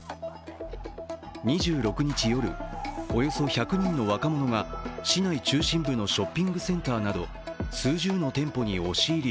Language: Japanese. ２６日夜、およそ１００人の若者が市内中心部のショッピングセンターなど数十の店舗に押し入り